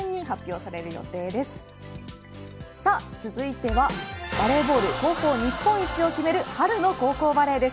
さあ続いてはバレーボール高校日本一を決める春の高校バレーです。